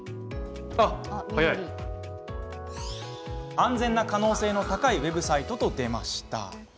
安全な可能性の高いウェブサイトと出ました。